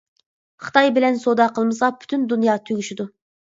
خىتاي بىلەن سودا قىلمىسا پۈتۈن دۇنيا تۈگىشىدۇ.